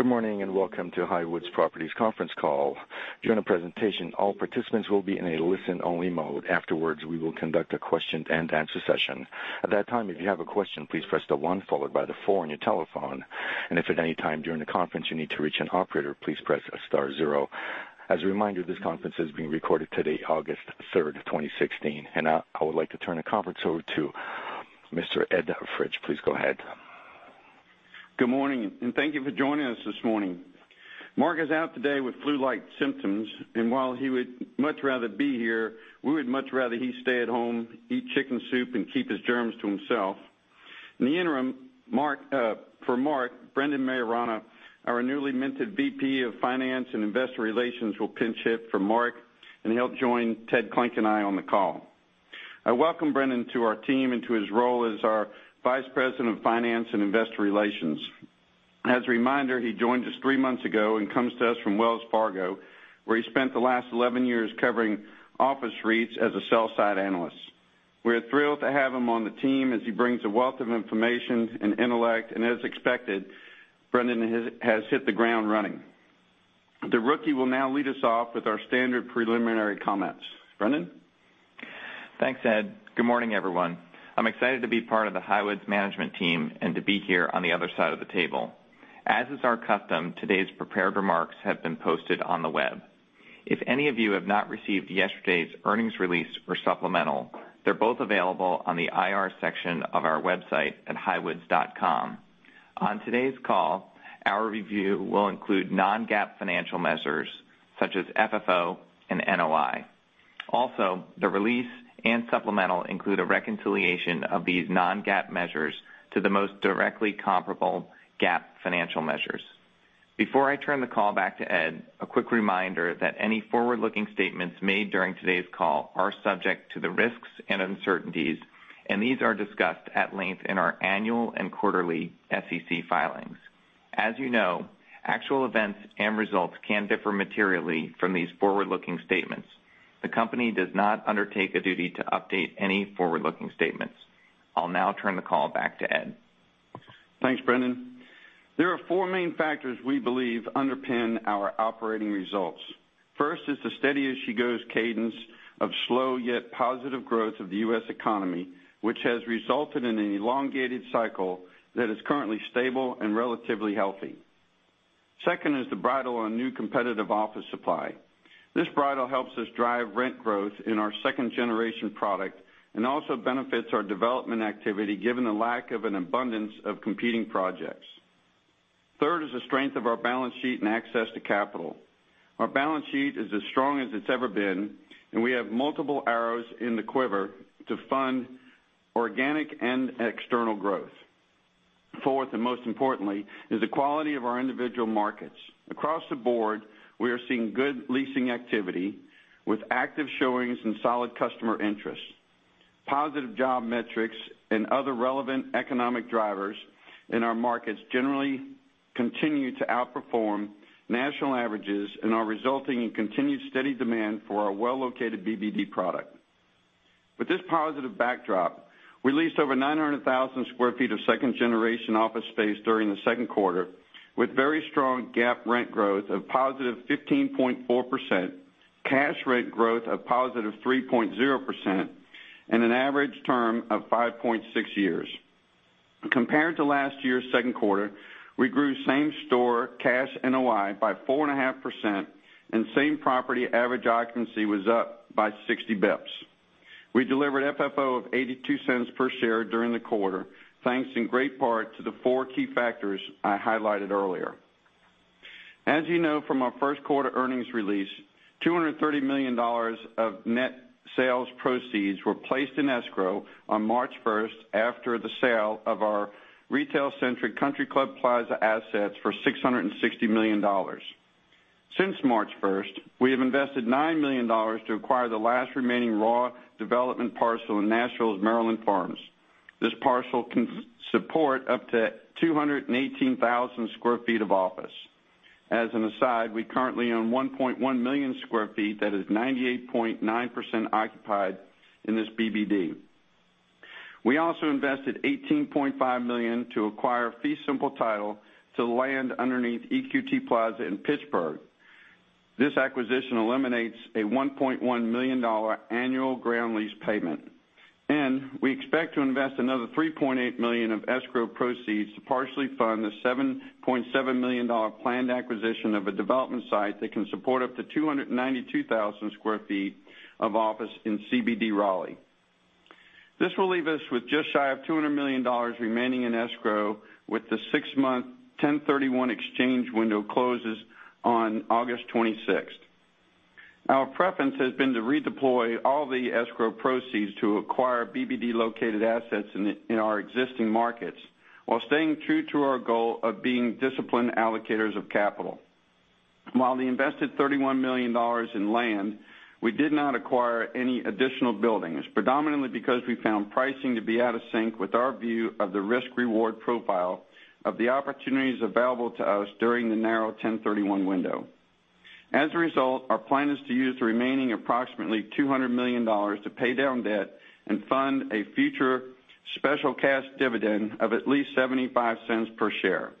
Good morning, and welcome to Highwoods Properties conference call. During the presentation, all participants will be in a listen-only mode. Afterwards, we will conduct a question-and-answer session. At that time, if you have a question, please press the one followed by the four on your telephone. If at any time during the conference you need to reach an operator, please press star zero. As a reminder, this conference is being recorded today, August 3rd, 2016. Now, I would like to turn the conference over to Mr. Ed Fritsch. Please go ahead. Good morning, and thank you for joining us this morning. Mark is out today with flu-like symptoms, and while he would much rather be here, we would much rather he stay at home, eat chicken soup, and keep his germs to himself. In the interim for Mark, Brendan Maiorana, our newly minted VP of Finance and Investor Relations, will pinch-hit for Mark, and he'll join Ted Klinck and I on the call. I welcome Brendan to our team and to his role as our Vice President of Finance and Investor Relations. As a reminder, he joined us three months ago and comes to us from Wells Fargo, where he spent the last 11 years covering office REITs as a sell-side analyst. We're thrilled to have him on the team as he brings a wealth of information and intellect, and as expected, Brendan has hit the ground running. The rookie will now lead us off with our standard preliminary comments. Brendan? Thanks, Ed. Good morning, everyone. I'm excited to be part of the Highwoods management team and to be here on the other side of the table. As is our custom, today's prepared remarks have been posted on the web. If any of you have not received yesterday's earnings release or supplemental, they're both available on the IR section of our website at highwoods.com. On today's call, our review will include non-GAAP financial measures such as FFO and NOI. The release and supplemental include a reconciliation of these non-GAAP measures to the most directly comparable GAAP financial measures. Before I turn the call back to Ed, a quick reminder that any forward-looking statements made during today's call are subject to the risks and uncertainties, and these are discussed at length in our annual and quarterly SEC filings. As you know, actual events and results can differ materially from these forward-looking statements. The company does not undertake a duty to update any forward-looking statements. I'll now turn the call back to Ed. Thanks, Brendan. There are four main factors we believe underpin our operating results. First is the steady-as-she-goes cadence of slow, yet positive growth of the U.S. economy, which has resulted in an elongated cycle that is currently stable and relatively healthy. Second is the bridle on new competitive office supply. This bridle helps us drive rent growth in our second-generation product and also benefits our development activity, given the lack of an abundance of competing projects. Third is the strength of our balance sheet and access to capital. Our balance sheet is as strong as it's ever been, and we have multiple arrows in the quiver to fund organic and external growth. Fourth, and most importantly, is the quality of our individual markets. Across the board, we are seeing good leasing activity with active showings and solid customer interest. Positive job metrics and other relevant economic drivers in our markets generally continue to outperform national averages and are resulting in continued steady demand for our well-located BBD product. With this positive backdrop, we leased over 900,000 sq ft of second-generation office space during the second quarter, with very strong GAAP rent growth of positive 15.4%, cash rent growth of positive 3.0%, and an average term of 5.6 years. Compared to last year's second quarter, we grew same-store cash NOI by 4.5%, and same-property average occupancy was up by 60 basis points. We delivered FFO of $0.82 per share during the quarter, thanks in great part to the four key factors I highlighted earlier. As you know from our first quarter earnings release, $230 million of net sales proceeds were placed in escrow on March 1st after the sale of our retail-centric Country Club Plaza assets for $660 million. Since March 1st, we have invested $9 million to acquire the last remaining raw development parcel in Nashville's Maryland Farms. This parcel can support up to 218,000 sq ft of office. As an aside, we currently own 1.1 million sq ft that is 98.9% occupied in this BBD. We also invested $18.5 million to acquire fee simple title to land underneath EQT Plaza in Pittsburgh. This acquisition eliminates a $1.1 million annual ground lease payment, and we expect to invest another $3.8 million of escrow proceeds to partially fund the $7.7 million planned acquisition of a development site that can support up to 292,000 sq ft of office in CBD Raleigh. This will leave us with just shy of $200 million remaining in escrow with the six-month 1031 exchange window closes on August 26th. Our preference has been to redeploy all the escrow proceeds to acquire BBD-located assets in our existing markets while staying true to our goal of being disciplined allocators of capital. While we invested $31 million in land, we did not acquire any additional buildings, predominantly because we found pricing to be out of sync with our view of the risk-reward profile of the opportunities available to us during the narrow 1031 window. As a result, our plan is to use the remaining approximately $200 million to pay down debt and fund a future special cash dividend of at least $0.75 per share.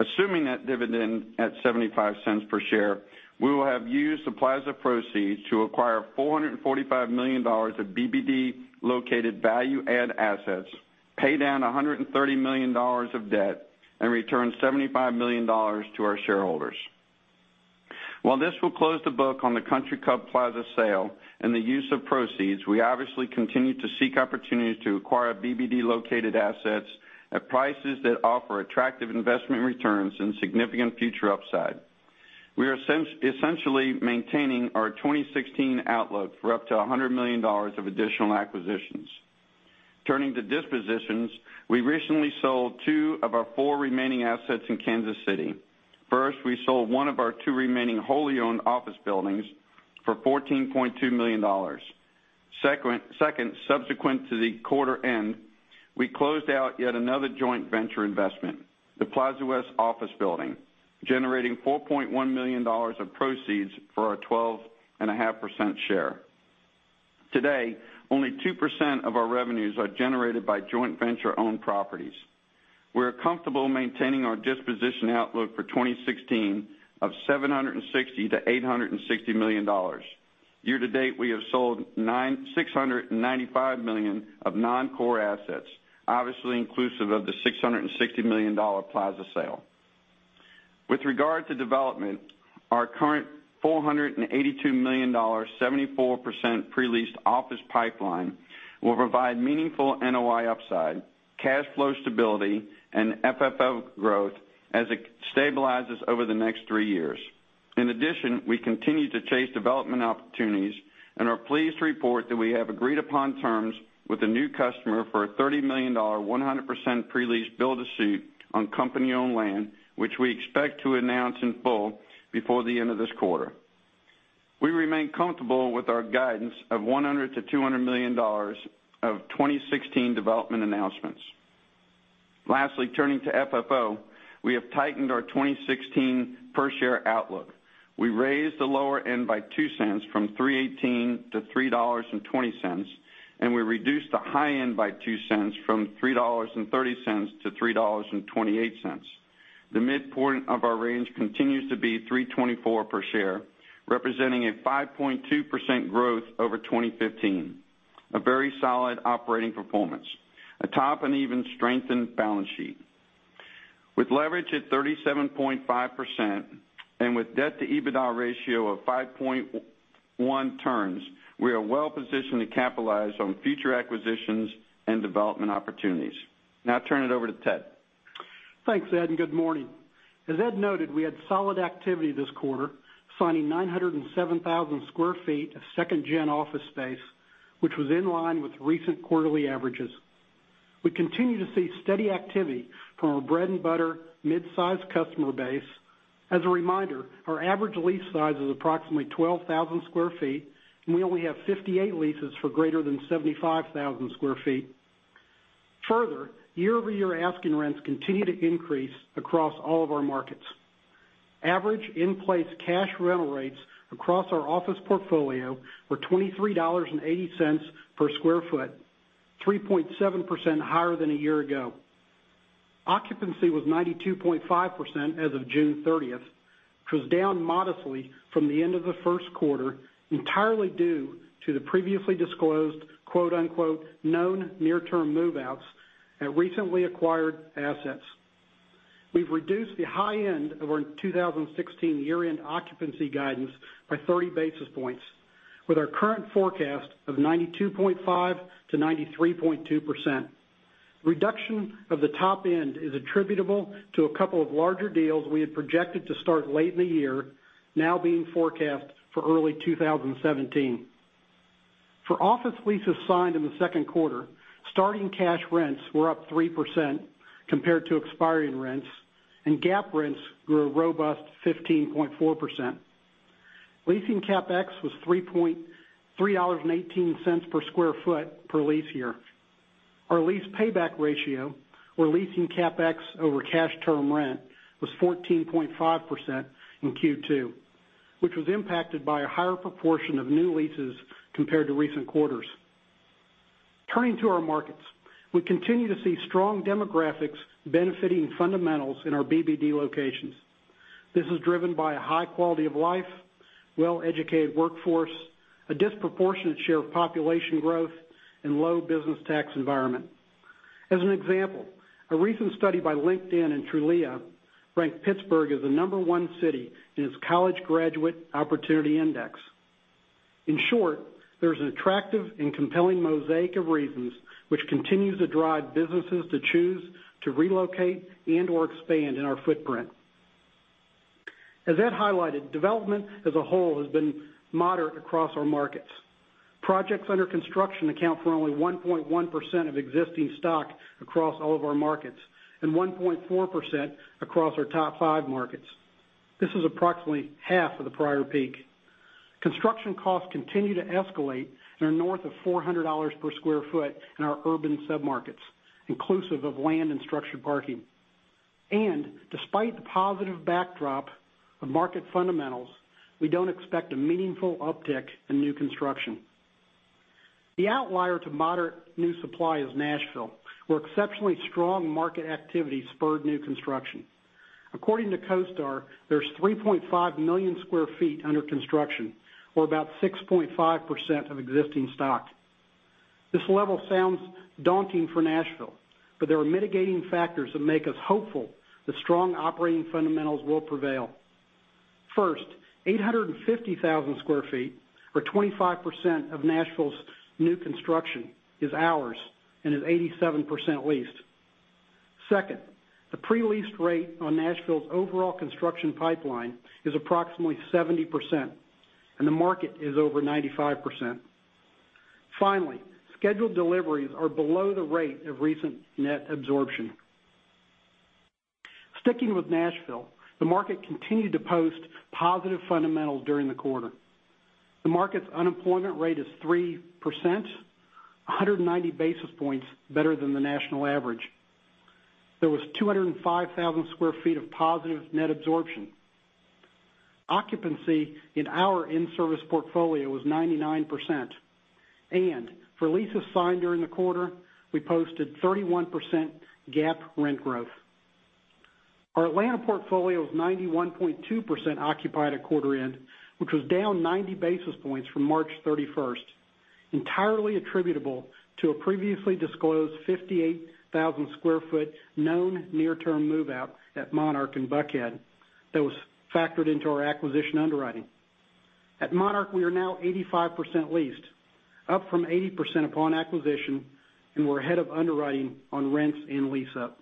Assuming that dividend at $0.75 per share, we will have used the Plaza proceeds to acquire $445 million of BBD-located value-add assets, pay down $130 million of debt, and return $75 million to our shareholders. This will close the book on the Country Club Plaza sale and the use of proceeds, we obviously continue to seek opportunities to acquire BBD-located assets at prices that offer attractive investment returns and significant future upside. We are essentially maintaining our 2016 outlook for up to $100 million of additional acquisitions. Turning to dispositions, we recently sold two of our four remaining assets in Kansas City. First, we sold one of our two remaining wholly owned office buildings for $14.2 million. Second, subsequent to the quarter end, we closed out yet another joint venture investment, the Plaza West office building, generating $4.1 million of proceeds for our 12.5% share. Today, only 2% of our revenues are generated by joint venture-owned properties. We are comfortable maintaining our disposition outlook for 2016 of $760 million-$860 million. Year to date, we have sold $695 million of non-core assets, obviously inclusive of the $660 million Plaza sale. With regard to development, our current $482 million, 74% pre-leased office pipeline will provide meaningful NOI upside, cash flow stability, and FFO growth as it stabilizes over the next three years. In addition, we continue to chase development opportunities and are pleased to report that we have agreed upon terms with a new customer for a $30 million, 100% pre-lease build to suit on company-owned land, which we expect to announce in full before the end of this quarter. We remain comfortable with our guidance of $100 million-$200 million of 2016 development announcements. Lastly, turning to FFO, we have tightened our 2016 per share outlook. We raised the lower end by $0.02 from $3.18-$3.20, and we reduced the high end by $0.02 from $3.30-$3.28. The midpoint of our range continues to be $3.24 per share, representing a 5.2% growth over 2015. A very solid operating performance atop an even strengthened balance sheet. With leverage at 37.5% and with debt to EBITDA ratio of 5.1 turns, we are well-positioned to capitalize on future acquisitions and development opportunities. I turn it over to Ted. Thanks, Ed, and good morning. As Ed noted, we had solid activity this quarter, signing 907,000 square feet of second-gen office space, which was in line with recent quarterly averages. We continue to see steady activity from our bread-and-butter midsize customer base. As a reminder, our average lease size is approximately 12,000 square feet, and we only have 58 leases for greater than 75,000 square feet. Further, year-over-year asking rents continue to increase across all of our markets. Average in-place cash rental rates across our office portfolio were $23.80 per square foot, 3.7% higher than a year ago. Occupancy was 92.5% as of June 30th, which was down modestly from the end of the first quarter, entirely due to the previously disclosed "known near-term move-outs" at recently acquired assets. We've reduced the high end of our 2016 year-end occupancy guidance by 30 basis points, with our current forecast of 92.5%-93.2%. Reduction of the top end is attributable to a couple of larger deals we had projected to start late in the year, now being forecast for early 2017. For office leases signed in the second quarter, starting cash rents were up 3% compared to expiring rents, and GAAP rents grew a robust 15.4%. Leasing CapEx was $3.18 per square foot per lease year. Our lease payback ratio, or leasing CapEx over cash term rent, was 14.5% in Q2, which was impacted by a higher proportion of new leases compared to recent quarters. Turning to our markets, we continue to see strong demographics benefiting fundamentals in our BBD locations. This is driven by a high quality of life, well-educated workforce, a disproportionate share of population growth, and low business tax environment. As an example, a recent study by LinkedIn and Trulia ranked Pittsburgh as the number one city in its Graduate Opportunity Index. In short, there's an attractive and compelling mosaic of reasons which continues to drive businesses to choose to relocate and/or expand in our footprint. As Ed highlighted, development as a whole has been moderate across our markets. Projects under construction account for only 1.1% of existing stock across all of our markets and 1.4% across our top 5 markets. This is approximately half of the prior peak. Construction costs continue to escalate and are north of $400 per square foot in our urban sub-markets, inclusive of land and structured parking. Despite the positive backdrop of market fundamentals, we don't expect a meaningful uptick in new construction. The outlier to moderate new supply is Nashville, where exceptionally strong market activity spurred new construction. According to CoStar, there's 3.5 million square feet under construction or about 6.5% of existing stock. This level sounds daunting for Nashville, but there are mitigating factors that make us hopeful that strong operating fundamentals will prevail. First, 850,000 square feet or 25% of Nashville's new construction is ours and is 87% leased. Second, the pre-leased rate on Nashville's overall construction pipeline is approximately 70%, and the market is over 95%. Finally, scheduled deliveries are below the rate of recent net absorption. Sticking with Nashville, the market continued to post positive fundamentals during the quarter. The market's unemployment rate is 3%, 190 basis points better than the national average. There was 205,000 square feet of positive net absorption. Occupancy in our in-service portfolio was 99%, and for leases signed during the quarter, we posted 31% GAAP rent growth. Our Atlanta portfolio was 91.2% occupied at quarter end, which was down 90 basis points from March 31st, entirely attributable to a previously disclosed 58,000 square foot known near-term move-out at Monarch in Buckhead that was factored into our acquisition underwriting. At Monarch, we are now 85% leased, up from 80% upon acquisition, and we are ahead of underwriting on rents and lease up.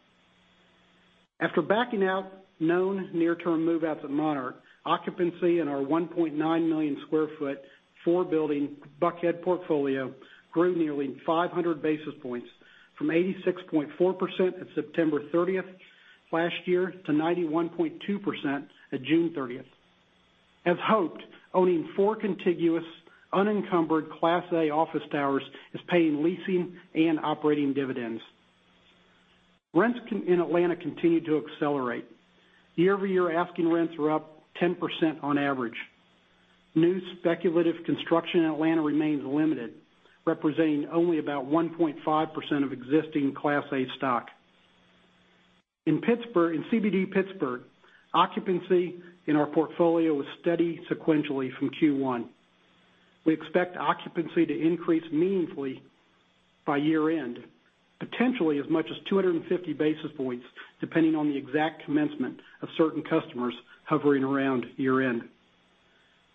After backing out known near-term move-outs at Monarch, occupancy in our 1.9 million square foot four-building Buckhead portfolio grew nearly 500 basis points from 86.4% at September 30th last year to 91.2% at June 30th. As hoped, owning four contiguous unencumbered Class A office towers is paying leasing and operating dividends. Rents in Atlanta continue to accelerate. Year-over-year asking rents are up 10% on average. New speculative construction in Atlanta remains limited, representing only about 1.5% of existing Class A stock. In CBD Pittsburgh, occupancy in our portfolio was steady sequentially from Q1. We expect occupancy to increase meaningfully by year-end, potentially as much as 250 basis points, depending on the exact commencement of certain customers hovering around year-end.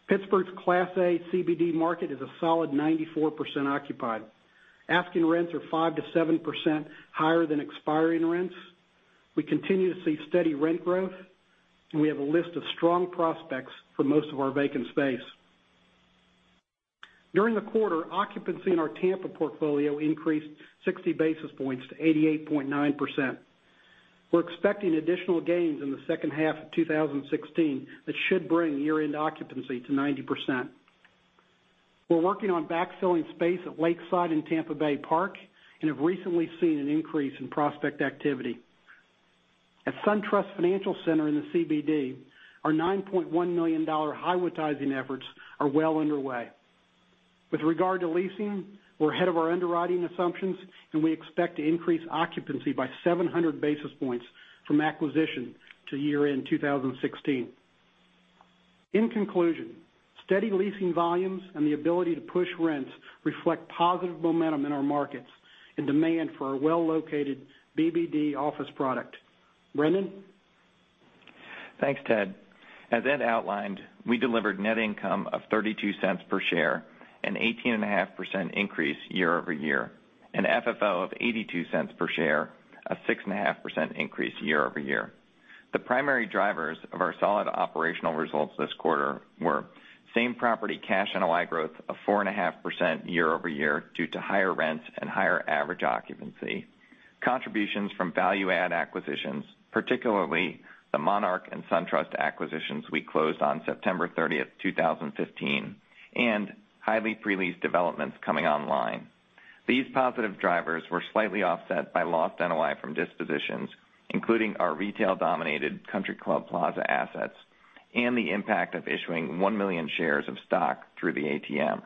Pittsburgh's Class A CBD market is a solid 94% occupied. Asking rents are 5%-7% higher than expiring rents. We continue to see steady rent growth, and we have a list of strong prospects for most of our vacant space. During the quarter, occupancy in our Tampa portfolio increased 60 basis points to 88.9%. We are expecting additional gains in the second half of 2016 that should bring year-end occupancy to 90%. We are working on backfilling space at Lakeside in Tampa Bay Park and have recently seen an increase in prospect activity. At SunTrust Financial Center in the CBD, our $9.1 million Highwoodtizing efforts are well underway. With regard to leasing, we are ahead of our underwriting assumptions, and we expect to increase occupancy by 700 basis points from acquisition to year-end 2016. In conclusion, steady leasing volumes and the ability to push rents reflect positive momentum in our markets and demand for our well-located CBD office product. Brendan? Thanks, Ted. As Ed outlined, we delivered net income of $0.32 per share, an 18.5% increase year-over-year, and FFO of $0.82 per share, a 6.5% increase year-over-year. The primary drivers of our solid operational results this quarter were same property cash NOI growth of 4.5% year-over-year due to higher rents and higher average occupancy, contributions from value add acquisitions, particularly the Monarch and SunTrust acquisitions we closed on September 30th, 2015, and highly pre-leased developments coming online. These positive drivers were slightly offset by lost NOI from dispositions, including our retail-dominated Country Club Plaza assets and the impact of issuing 1 million shares of stock through the ATM.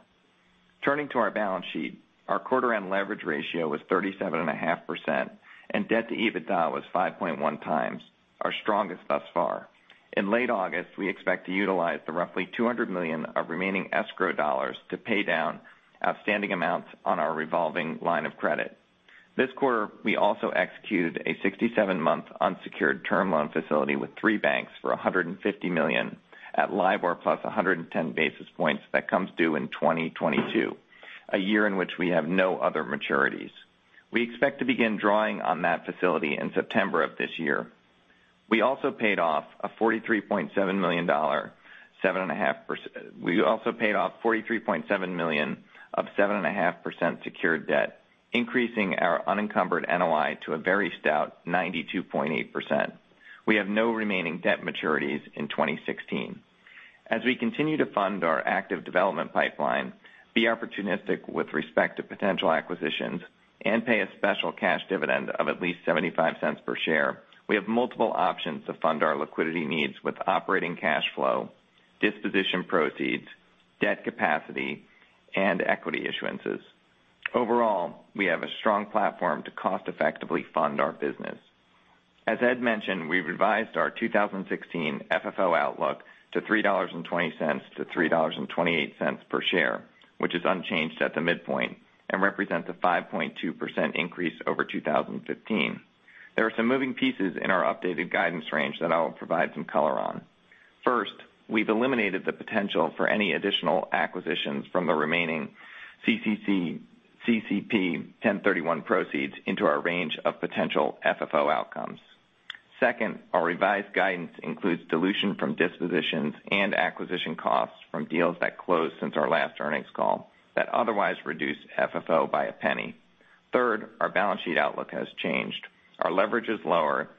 Turning to our balance sheet, our quarter-end leverage ratio was 37.5%, and debt to EBITDA was 5.1 times, our strongest thus far. In late August, we expect to utilize the roughly $200 million of remaining escrow dollars to pay down outstanding amounts on our revolving line of credit. This quarter, we also executed a 67-month unsecured term loan facility with three banks for $150 million at LIBOR plus 110 basis points that comes due in 2022, a year in which we have no other maturities. We expect to begin drawing on that facility in September of this year. We also paid off $43.7 million of 7.5% secured debt, increasing our unencumbered NOI to a very stout 92.8%. We have no remaining debt maturities in 2016. We continue to fund our active development pipeline, be opportunistic with respect to potential acquisitions, and pay a special cash dividend of at least $0.75 per share, we have multiple options to fund our liquidity needs with operating cash flow, disposition proceeds, debt capacity, and equity issuances. Overall, we have a strong platform to cost effectively fund our business. As Ed mentioned, we've revised our 2016 FFO outlook to $3.20 to $3.28 per share, which is unchanged at the midpoint and represents a 5.2% increase over 2015. There are some moving pieces in our updated guidance range that I will provide some color on. First, we've eliminated the potential for any additional acquisitions from the remaining CCP 1031 proceeds into our range of potential FFO outcomes. Second, our revised guidance includes dilution from dispositions and acquisition costs from deals that closed since our last earnings call that otherwise reduce FFO by $0.01. Third, our balance sheet outlook has changed. Our leverage is lower,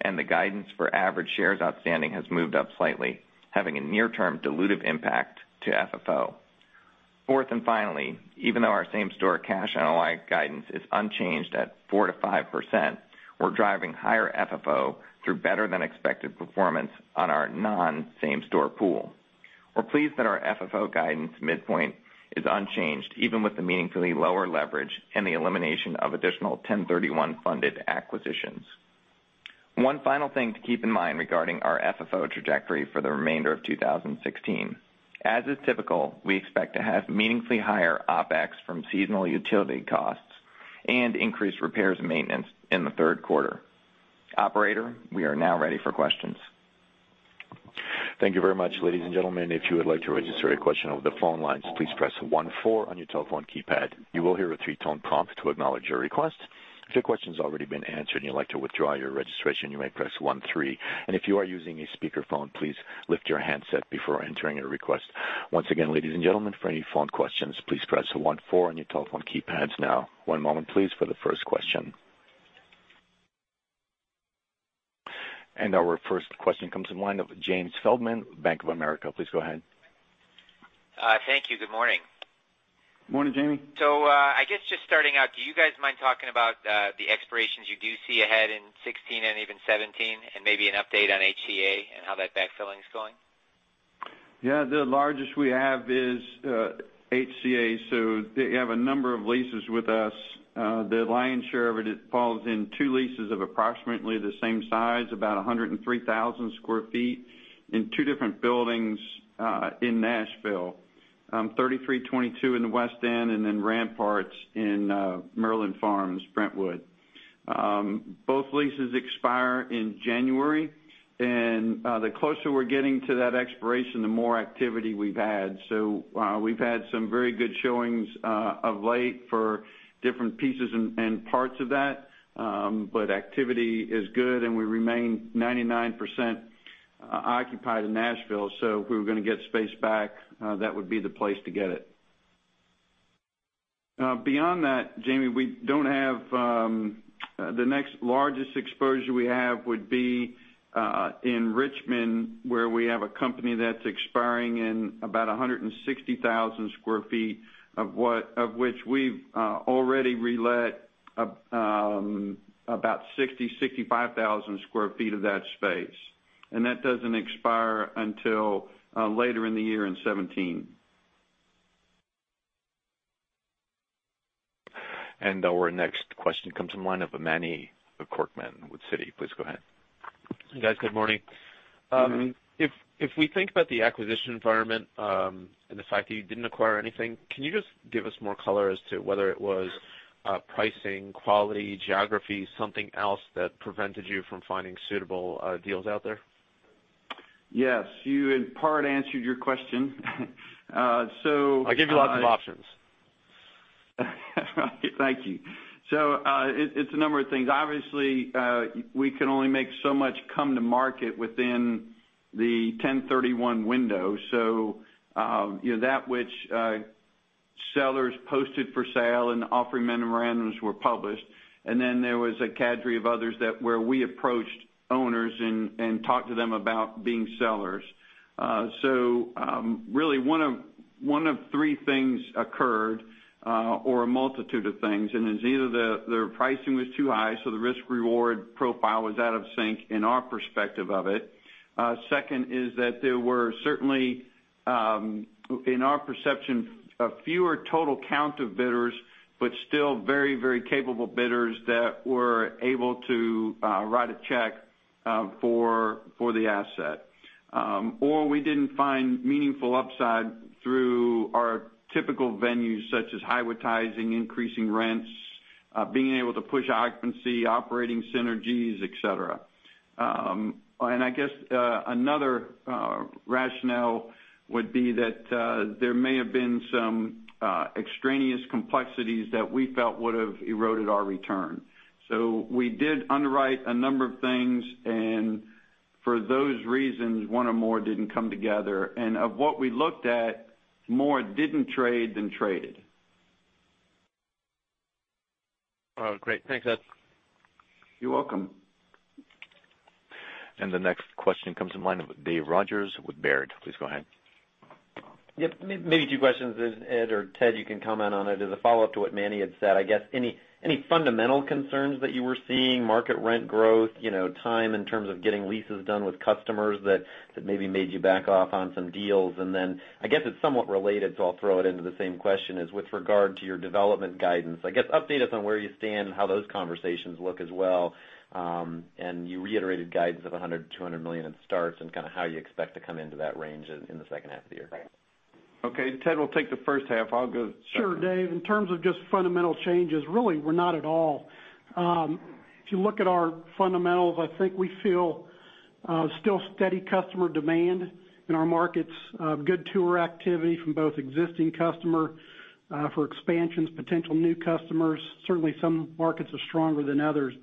and the guidance for average shares outstanding has moved up slightly, having a near-term dilutive impact to FFO. Fourth and finally, even though our same-store cash NOI guidance is unchanged at 4%-5%, we're driving higher FFO through better than expected performance on our non-same-store pool. We're pleased that our FFO guidance midpoint is unchanged, even with the meaningfully lower leverage and the elimination of additional 1031 funded acquisitions. One final thing to keep in mind regarding our FFO trajectory for the remainder of 2016. Is typical, we expect to have meaningfully higher OpEx from seasonal utility costs and increased repairs and maintenance in the third quarter. Operator, we are now ready for questions. Thank you very much. Ladies and gentlemen, if you would like to register a question over the phone lines, please press one four on your telephone keypad. You will hear a three-tone prompt to acknowledge your request. If your question's already been answered and you'd like to withdraw your registration, you may press one three. If you are using a speakerphone, please lift your handset before entering a request. Once again, ladies and gentlemen, for any phone questions, please press one four on your telephone keypads now. One moment please for the first question. Our first question comes in line of James Feldman, Bank of America. Please go ahead. Thank you. Good morning. Morning, Jamie. I guess just starting out, do you guys mind talking about the expirations you do see ahead in 2016 and even 2017, and maybe an update on HCA and how that backfilling is going? The largest we have is HCA, they have a number of leases with us. The lion's share of it falls in two leases of approximately the same size, about 103,000 sq ft in two different buildings in Nashville. 3322 in the West End, and then Ramparts in Maryland Farms, Brentwood. Both leases expire in January, and the closer we're getting to that expiration, the more activity we've had. We've had some very good showings of late for different pieces and parts of that. Activity is good, and we remain 99% occupied in Nashville. If we were going to get space back, that would be the place to get it. Beyond that, Jamie, the next largest exposure we have would be in Richmond, where we have a company that's expiring in about 160,000 sq ft, of which we've already relet about 60,000, 65,000 sq ft of that space. That doesn't expire until later in the year in 2017. Our next question comes in line of Manny Korchman with Citi. Please go ahead. You guys, good morning. Good morning. If we think about the acquisition environment and the fact that you didn't acquire anything, can you just give us more color as to whether it was pricing, quality, geography, something else that prevented you from finding suitable deals out there? Yes. You, in part, answered your question. I gave you lots of options. Thank you. It's a number of things. Obviously, we can only make so much come to market within the 1031 window. That which sellers posted for sale and offering memorandums were published, and then there was a cadre of others that where we approached owners and talked to them about being sellers. Really, one of three things occurred or a multitude of things. It's either their pricing was too high, so the risk-reward profile was out of sync in our perspective of it. Second is that there were certainly in our perception, a fewer total count of bidders, but still very, very capable bidders that were able to write a check for the asset. We didn't find meaningful upside through our typical venues, such as Highwoodtizing, increasing rents, being able to push occupancy, operating synergies, et cetera. I guess another rationale would be that there may have been some extraneous complexities that we felt would have eroded our return. We did underwrite a number of things, and for those reasons, one or more didn't come together. Of what we looked at, more didn't trade than traded. Great. Thanks, Ed. You're welcome. The next question comes in line of Dave Rodgers with Baird. Please go ahead. Yep. Maybe two questions, Ed or Ted, you can comment on it. As a follow-up to what Manny had said, I guess, any fundamental concerns that you were seeing, market rent growth, time in terms of getting leases done with customers that maybe made you back off on some deals? I guess it's somewhat related, so I'll throw it into the same question, is with regard to your development guidance. I guess update us on where you stand and how those conversations look as well. You reiterated guidance of $100 million-$200 million in starts and kind of how you expect to come into that range in the second half of the year. Okay. Ted will take the first half. I'll go second. Sure, Dave. In terms of just fundamental changes, really, we're not at all. If you look at our fundamentals, I think we feel still steady customer demand in our markets, good tour activity from both existing customer for expansions, potential new customers. Certainly, some markets are stronger than others.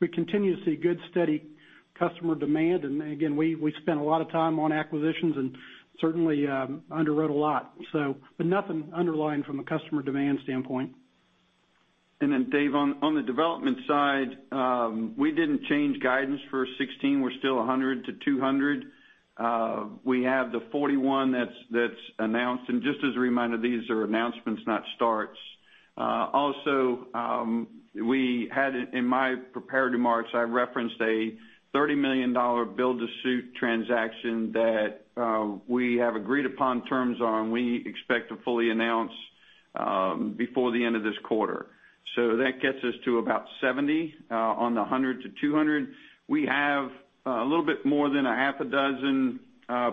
We continue to see good, steady customer demand. Again, we spent a lot of time on acquisitions and certainly underwrote a lot. Nothing underlying from a customer demand standpoint. Dave, on the development side, we didn't change guidance for 2016. We're still $100 million to $200 million. We have the $41 million that's announced, and just as a reminder, these are announcements, not starts. We had in my prepared remarks, I referenced a $30 million build to suit transaction that we have agreed upon terms on. We expect to fully announce before the end of this quarter. That gets us to about $70 million on the $100 million to $200 million. We have a little bit more than a half a dozen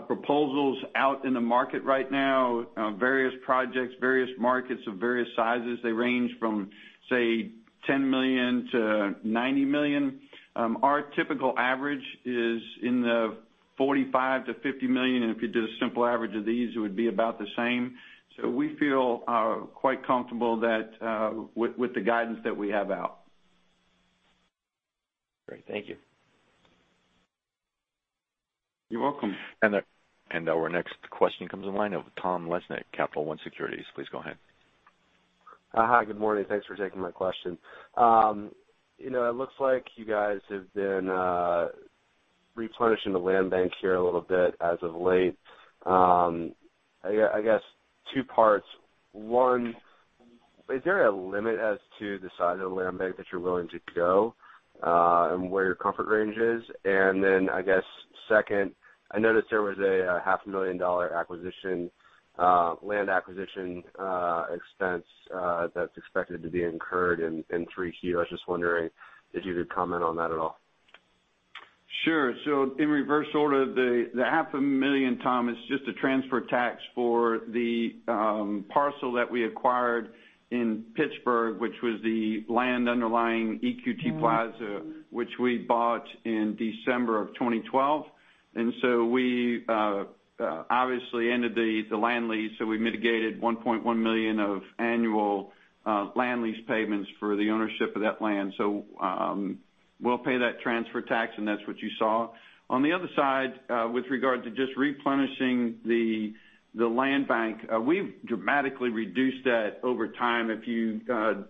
proposals out in the market right now. Various projects, various markets of various sizes. They range from, say, $10 million to $90 million. Our typical average is in the $45 million to $50 million, and if you did a simple average of these, it would be about the same. We feel quite comfortable with the guidance that we have out. Great. Thank you. You're welcome. Our next question comes in line of Tom Lesnick, Capital One Securities. Please go ahead. Hi, good morning. Thanks for taking my question. It looks like you guys have been replenishing the land bank here a little bit as of late. I guess two parts. One, is there a limit as to the size of the land bank that you're willing to go, and where your comfort range is? I guess second, I noticed there was a half a million dollar acquisition, land acquisition, expense, that's expected to be incurred in 3Q. I was just wondering if you could comment on that at all. Sure. In reverse order, the half a million, Tom, is just a transfer tax for the parcel that we acquired in Pittsburgh, which was the land underlying EQT Plaza, which we bought in December of 2012. We obviously ended the land lease, so we mitigated $1.1 million of annual land lease payments for the ownership of that land. We'll pay that transfer tax, and that's what you saw. On the other side, with regard to just replenishing the land bank, we've dramatically reduced that over time. If you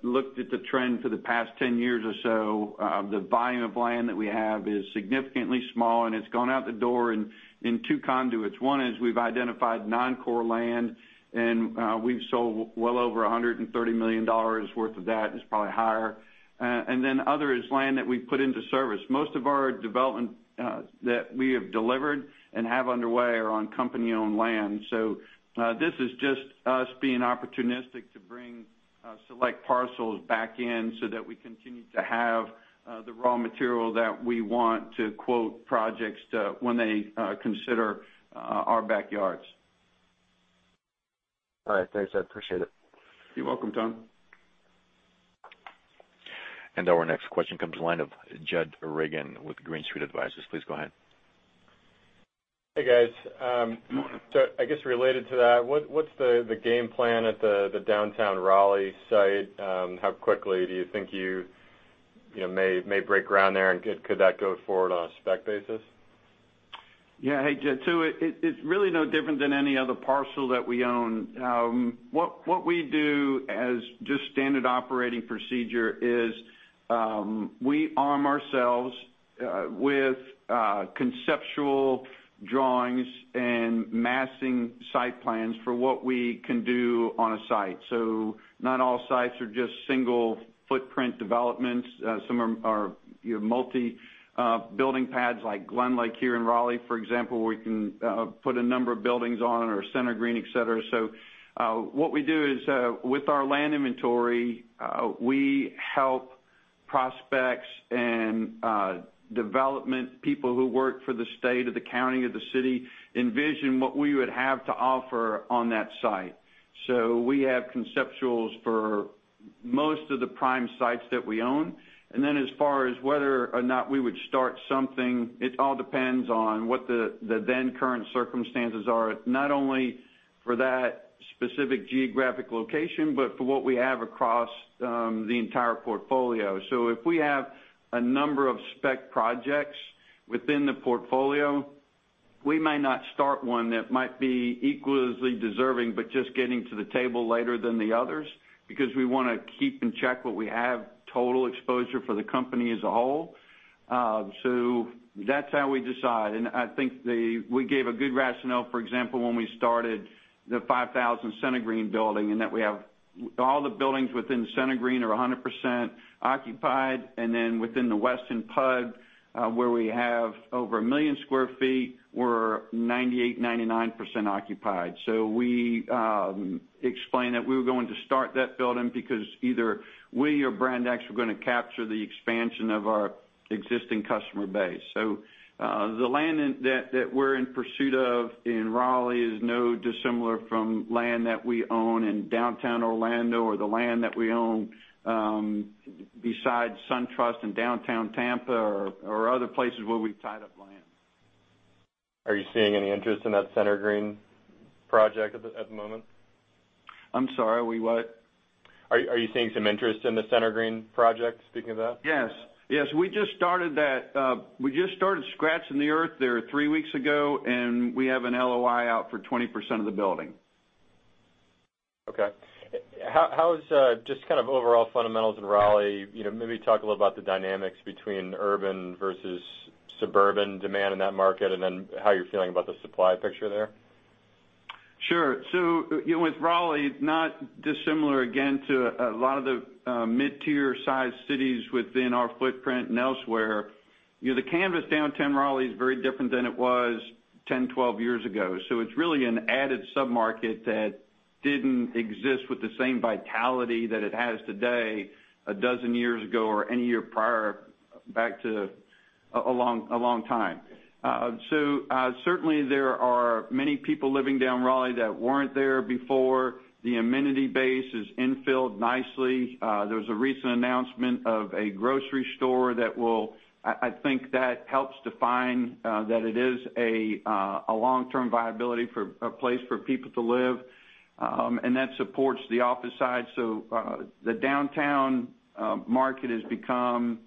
looked at the trend for the past 10 years or so, the volume of land that we have is significantly small, and it's gone out the door in two conduits. One is we've identified non-core land, and we've sold well over $130 million worth of that. It's probably higher. Other is land that we've put into service. Most of our development that we have delivered and have underway are on company-owned land. This is just us being opportunistic to bring select parcels back in so that we continue to have the raw material that we want to quote projects when they consider our backyards. All right, thanks Ed, appreciate it. You're welcome, Tom. Our next question comes to the line of Jed Reagan with Green Street Advisors. Please go ahead. Hey, guys. I guess related to that, what's the game plan at the downtown Raleigh site? How quickly do you think you may break ground there, and could that go forward on a spec basis? Yeah. Hey, Jed. It's really no different than any other parcel that we own. What we do as just standard operating procedure is, we arm ourselves with conceptual drawings and massing site plans for what we can do on a site. Not all sites are just single footprint developments. Some are your multi-building pads like Glenlake here in Raleigh, for example, where you can put a number of buildings on, or CentreGreen, et cetera. What we do is, with our land inventory, we help prospects and development people who work for the state or the county or the city envision what we would have to offer on that site. We have conceptuals for most of the prime sites that we own. As far as whether or not we would start something, it all depends on what the then current circumstances are. Not only for that specific geographic location, but for what we have across the entire portfolio. If we have a number of spec projects within the portfolio, we may not start one that might be equally deserving, but just getting to the table later than the others, because we want to keep in check what we have total exposure for the company as a whole. That's how we decide. I think we gave a good rationale, for example, when we started the 5000 CentreGreen building, and that we have all the buildings within CentreGreen are 100% occupied, and then within the Weston PUD, where we have over 1 million sq ft, we're 98%-99% occupied. We explained that we were going to start that building because either we or Brand X were going to capture the expansion of our existing customer base. The land that we're in pursuit of in Raleigh is no dissimilar from land that we own in downtown Orlando or the land that we own besides SunTrust in downtown Tampa or other places where we've tied up land. Are you seeing any interest in that CentreGreen project at the moment? I'm sorry, we what? Are you seeing some interest in the CentreGreen project, speaking of that? Yes. We just started scratching the earth there three weeks ago, and we have an LOI out for 20% of the building. Okay. How is just kind of overall fundamentals in Raleigh, maybe talk a little about the dynamics between urban versus suburban demand in that market, and then how you're feeling about the supply picture there? Sure. With Raleigh, not dissimilar again to a lot of the mid-tier sized cities within our footprint and elsewhere. The canvas downtown Raleigh is very different than it was 10, 12 years ago. It's really an added sub-market that didn't exist with the same vitality that it has today a dozen years ago or any year prior back to a long time. Certainly there are many people living down Raleigh that weren't there before. The amenity base is infilled nicely. There was a recent announcement of a grocery store that I think that helps define that it is a long-term viability place for people to live. That supports the office side, the downtown market has become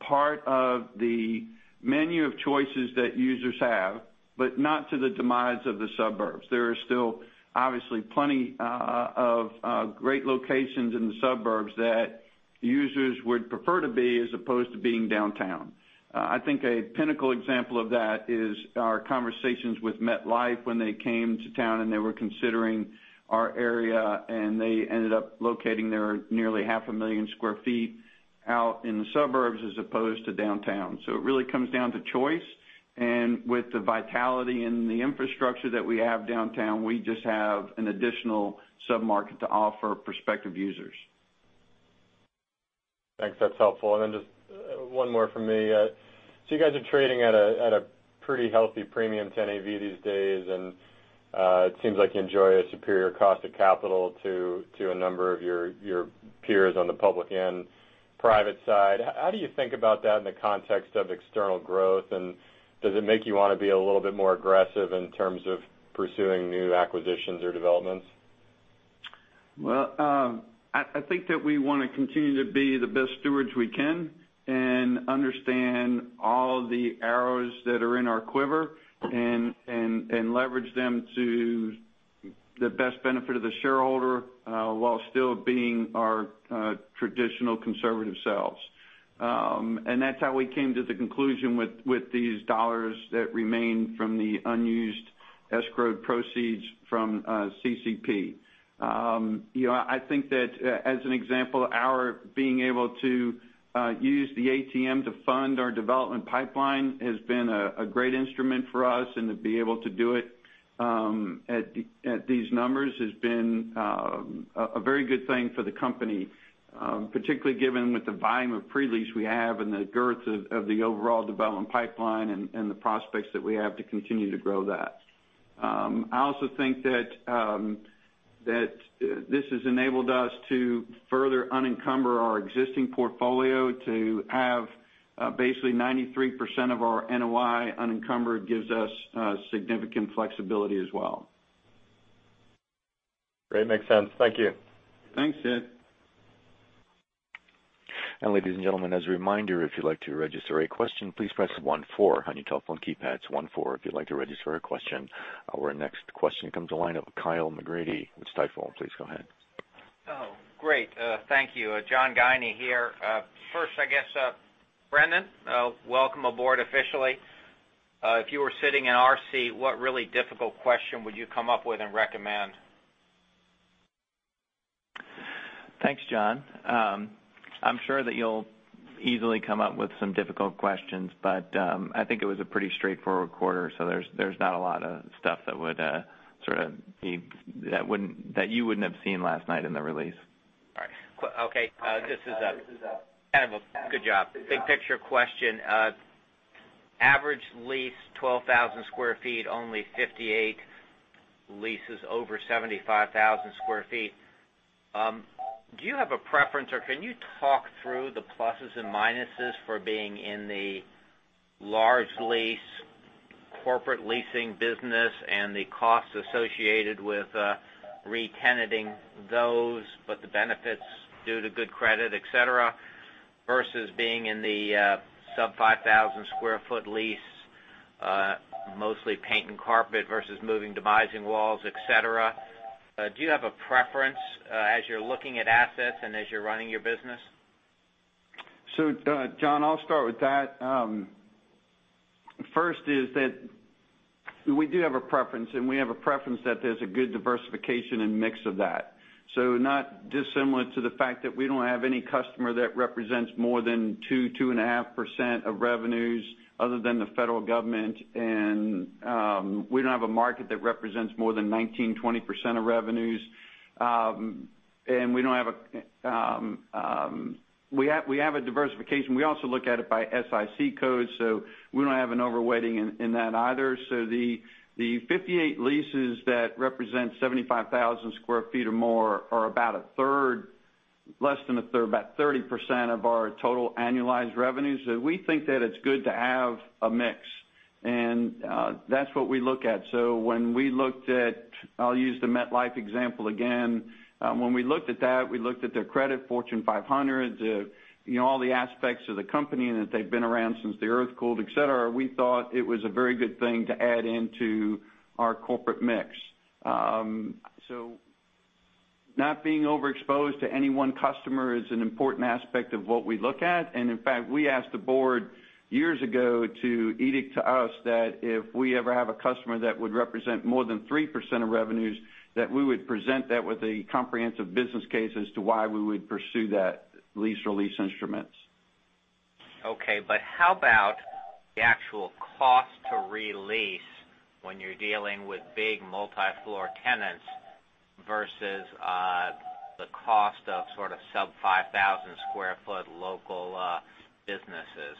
part of the menu of choices that users have, but not to the demise of the suburbs. There are still, obviously, plenty of great locations in the suburbs that users would prefer to be as opposed to being downtown. I think a pinnacle example of that is our conversations with MetLife when they came to town they were considering our area, they ended up locating their nearly half a million square feet out in the suburbs as opposed to downtown. It really comes down to choice, with the vitality and the infrastructure that we have downtown, we just have an additional sub-market to offer prospective users. Thanks. That's helpful. Then just one more from me. You guys are trading at a pretty healthy premium to NAV these days, it seems like you enjoy a superior cost of capital to a number of your peers on the public and private side. How do you think about that in the context of external growth, does it make you want to be a little bit more aggressive in terms of pursuing new acquisitions or developments? I think that we want to continue to be the best stewards we can understand all the arrows that are in our quiver leverage them to the best benefit of the shareholder, while still being our traditional conservative selves. That's how we came to the conclusion with these dollars that remain from the unused escrowed proceeds from CCP. I think that, as an example, our being able to use the ATM to fund our development pipeline has been a great instrument for us, to be able to do it at these numbers has been a very good thing for the company, particularly given with the volume of pre-lease we have and the girth of the overall development pipeline and the prospects that we have to continue to grow that. I also think that this has enabled us to further unencumber our existing portfolio to have basically 93% of our NOI unencumbered gives us significant flexibility as well. Great. Makes sense. Thank you. Thanks, Jed. Ladies and gentlemen, as a reminder, if you'd like to register a question, please press one four on your telephone keypads, 4 if you'd like to register a question. Our next question comes the line of Kyle McGrady with Stifel. Please go ahead. Oh, great. Thank you. John Guinee here. First, I guess, Brendan, welcome aboard officially. If you were sitting in our seat, what really difficult question would you come up with and recommend? Thanks, John. I'm sure that you'll easily come up with some difficult questions, I think it was a pretty straightforward quarter, there's not a lot of stuff that you wouldn't have seen last night in the release. All right. Okay. This is a kind of a good job. Big picture question. Average lease, 12,000 sq ft, only 58 leases over 75,000 sq ft. Do you have a preference, or can you talk through the pluses and minuses for being in the large lease corporate leasing business and the costs associated with re-tenanting those, but the benefits due to good credit, et cetera? Versus being in the sub 5,000 sq ft lease, mostly paint and carpet versus moving demising walls, et cetera. Do you have a preference as you're looking at assets and as you're running your business? John, I'll start with that. First is that we do have a preference, we have a preference that there's a good diversification and mix of that. Not dissimilar to the fact that we don't have any customer that represents more than 2%, 2.5% of revenues other than the federal government. We don't have a market that represents more than 19%, 20% of revenues. We have a diversification. We also look at it by SIC code, we don't have an overweighting in that either. The 58 leases that represent 75,000 sq ft or more are about a third, less than a third, about 30% of our total annualized revenues. We think that it's good to have a mix, that's what we look at. When we looked at, I'll use the MetLife example again. When we looked at that, we looked at their credit, Fortune 500, all the aspects of the company, and that they've been around since the Earth cooled, et cetera. We thought it was a very good thing to add into our corporate mix. Not being overexposed to any one customer is an important aspect of what we look at. In fact, we asked the board years ago to edict to us that if we ever have a customer that would represent more than 3% of revenues, that we would present that with a comprehensive business case as to why we would pursue that lease or lease instruments. How about the actual cost to re-lease when you're dealing with big multi-floor tenants versus the cost of sort of sub 5,000 sq ft local businesses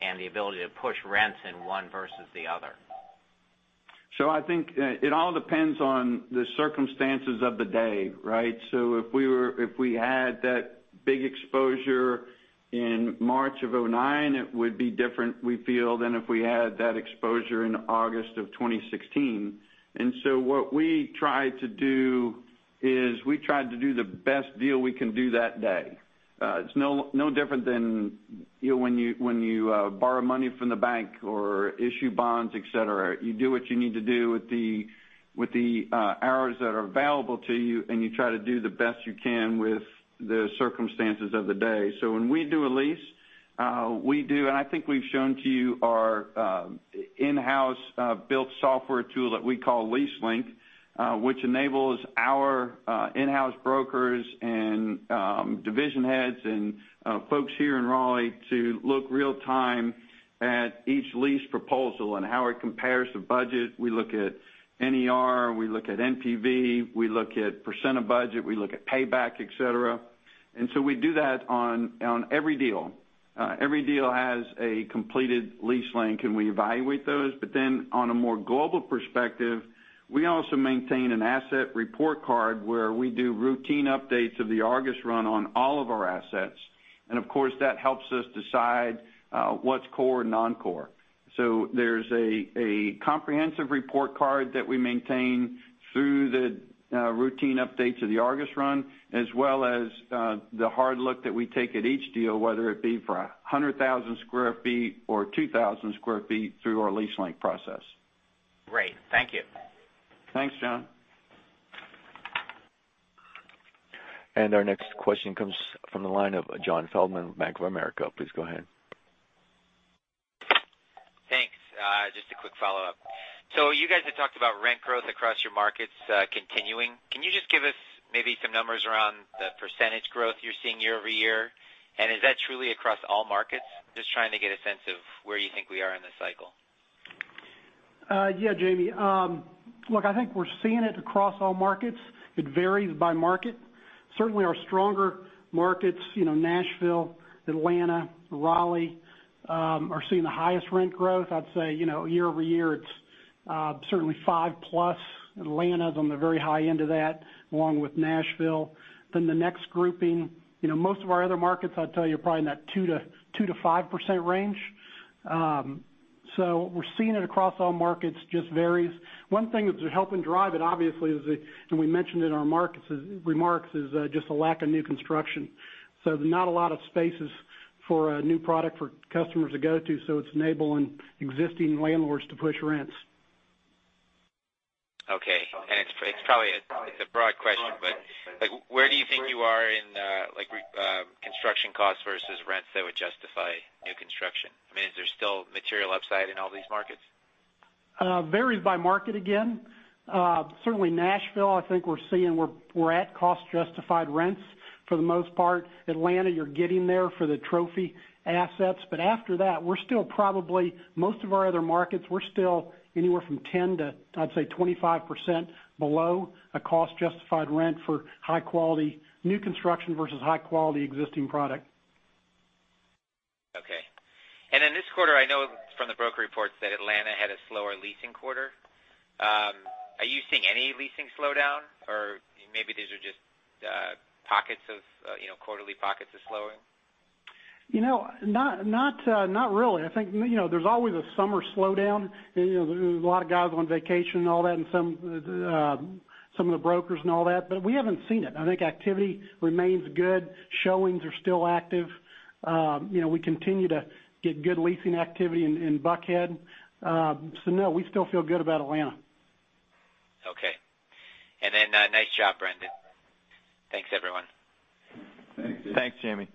and the ability to push rents in one versus the other? I think it all depends on the circumstances of the day, right? If we had that big exposure in March of 2009, it would be different, we feel, than if we had that exposure in August of 2016. What we try to do is we try to do the best deal we can do that day. It's no different than when you borrow money from the bank or issue bonds, et cetera. You do what you need to do with the arrows that are available to you, and you try to do the best you can with the circumstances of the day. When we do a lease, we do, and I think we've shown to you our in-house built software tool that we call Lease Link, which enables our in-house brokers and division heads and folks here in Raleigh to look real time at each lease proposal and how it compares to budget. We look at NER, we look at NPV, we look at % of budget, we look at payback, et cetera. We do that on every deal. Every deal has a completed Lease Link, and we evaluate those. On a more global perspective, we also maintain an asset report card where we do routine updates of the Argus run on all of our assets. Of course, that helps us decide what's core and non-core. There's a comprehensive report card that we maintain through the routine updates of the Argus run, as well as the hard look that we take at each deal, whether it be for 100,000 sq ft or 2,000 sq ft through our Lease Link process. Great. Thank you. Thanks, John. Our next question comes from the line of James Feldman, Bank of America. Please go ahead. Thanks. Just a quick follow-up. You guys have talked about rent growth across your markets continuing. Can you just give us maybe some numbers around the % growth you're seeing year-over-year? Is that truly across all markets? Just trying to get a sense of where you think we are in this cycle. Yeah, Jamie. Look, I think we're seeing it across all markets. It varies by market. Certainly our stronger markets, Nashville, Atlanta, Raleigh, are seeing the highest rent growth. I'd say, year-over-year, it's certainly 5-plus. Atlanta's on the very high end of that, along with Nashville. The next grouping, most of our other markets, I'd tell you, are probably in that 2%-5% range. We're seeing it across all markets, just varies. One thing that's helping drive it, obviously, and we mentioned in our remarks, is just a lack of new construction. There's not a lot of spaces for a new product for customers to go to, it's enabling existing landlords to push rents. Okay. It's probably a broad question, where do you think you are in construction costs versus rents that would justify new construction? I mean, is there still material upside in all these markets? Varies by market again. Certainly Nashville, I think we're seeing we're at cost-justified rents for the most part. Atlanta, you're getting there for the trophy assets. After that, we're still probably, most of our other markets, we're still anywhere from 10% to, I'd say, 25% below a cost-justified rent for high quality new construction versus high quality existing product. Okay. In this quarter, I know from the broker reports that Atlanta had a slower leasing quarter. Are you seeing any leasing slowdown? Or maybe these are just quarterly pockets of slowing? Not really. I think there's always a summer slowdown. There's a lot of guys on vacation and all that, and some Some of the brokers and all that. We haven't seen it. I think activity remains good. Showings are still active. We continue to get good leasing activity in Buckhead. No, we still feel good about Atlanta. Okay. Nice job, Brendan. Thanks, everyone. Thanks. Thanks, Jamie.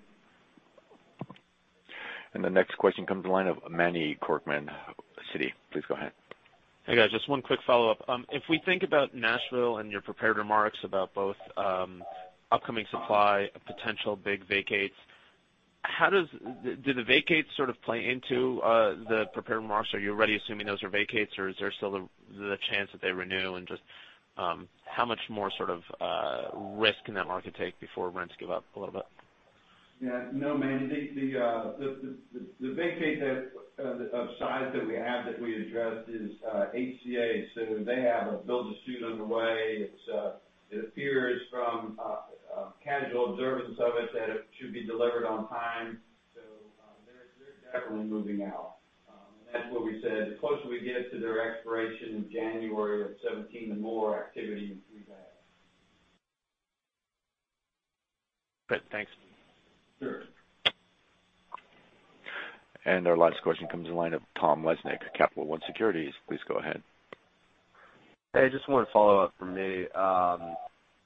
The next question comes to the line of Manny Korchman, Citi. Please go ahead. Hey, guys. Just one quick follow-up. If we think about Nashville and your prepared remarks about both upcoming supply, potential big vacates, do the vacates sort of play into the prepared remarks? Are you already assuming those are vacates, or is there still the chance that they renew? Just how much more sort of risk can that market take before rents give up a little bit? Yeah. No, Manny, the vacate of size that we have that we addressed is HCA. They have a build to suit underway. It appears from casual observance of it that it should be delivered on time. They're definitely moving out. That's what we said, the closer we get to their expiration in January of 2017, the more activity you'll see there. Good. Thanks. Sure. Our last question comes in the line of Tom Lesnick, Capital One Securities. Please go ahead. Hey, just one follow-up from me.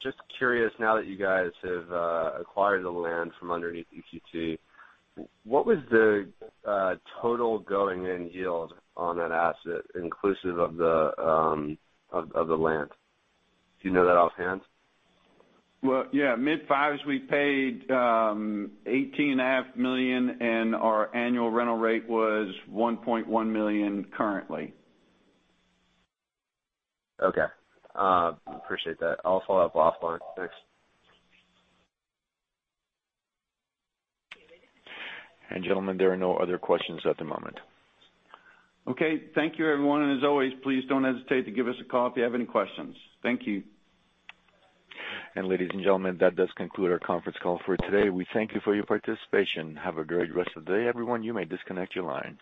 Just curious, now that you guys have acquired the land from underneath EQT, what was the total going-in yield on that asset, inclusive of the land? Do you know that offhand? Well, yeah, mid fives. We paid $18.5 million, and our annual rental rate was $1.1 million currently. Okay. Appreciate that. I'll follow up offline. Thanks. Gentlemen, there are no other questions at the moment. Okay. Thank you, everyone. As always, please don't hesitate to give us a call if you have any questions. Thank you. Ladies and gentlemen, that does conclude our conference call for today. We thank you for your participation. Have a great rest of the day, everyone. You may disconnect your line.